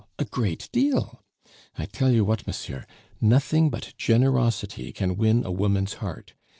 A great deal! I tell you what, monsieur, nothing but generosity can win a woman's heart.